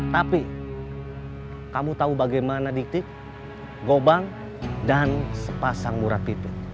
tapi kamu tahu bagaimana diktik gobang dan sepasang murad itu